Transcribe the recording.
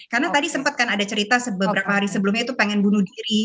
karena tadi sempat kan ada cerita beberapa hari sebelumnya itu pengen bunuh diri